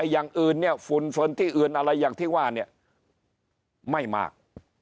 อย่างอื่นเนี่ยฝุ่นเฟินที่อื่นอะไรอย่างที่ว่าเนี่ยไม่มาก